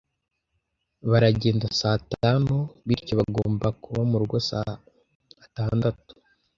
Baragenda saa tanu, bityo bagomba kuba murugo saa atandatu.